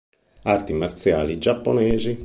Arti marziali giapponesi